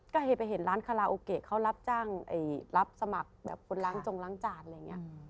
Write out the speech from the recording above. ก็เห็นไปเห็นร้านคาราโอเกะเขารับจ้างรับสมัครแบบคนล้างจงล้างจานอะไรอย่างนี้